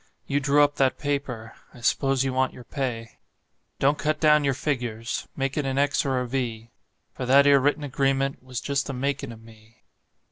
You drew up that paper I s'pose you want your pay. Don't cut down your figures; make it an X or a V; For that 'ere written agreement was just the makin' of me.